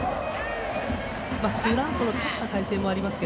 フランコのとった体勢もありますが。